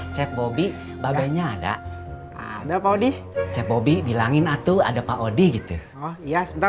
cek bobby babaynya ada ada paudi cek bobby bilangin atau ada paudi gitu oh iya sebentar